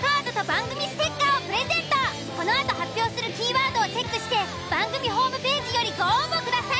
このあと発表するキーワードをチェックして番組ホームページよりご応募ください。